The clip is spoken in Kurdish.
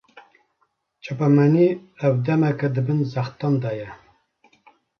Çapemenî, ev demeke di bin zextan de ye